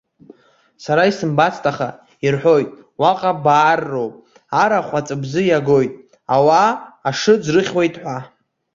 Сара исымбацт, аха, ирҳәоит, уаҟа баарроуп, арахә аҵәыбзы иагоит, ауаа ашыӡ рыхьуеит ҳәа.